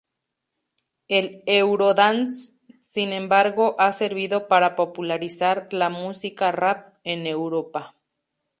El eurodance, sin embargo, ha servido para popularizar la música rap en Europa.